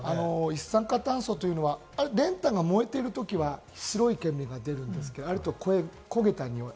一酸化炭素というのは練炭が燃えているときは、すごい煙が出るんです、焦げた臭い。